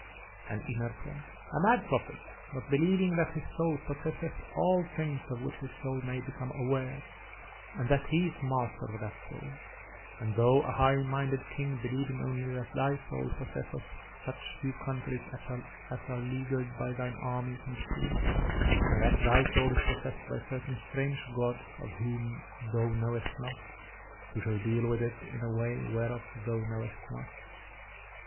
And Ynar said: "A mad prophet, but believing that his soul possesseth all things of which his soul may become aware and that he is master of that soul, and thou a high minded King believing only that thy soul possesseth such few countries as are leaguered by thine armies and the sea, and that thy soul is possessed by certain strange gods of whom thou knowest not, who shall deal with it in a way whereof thou knowest not.